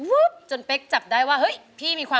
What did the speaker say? มูลค่า๒หมื่นบาทนะครับ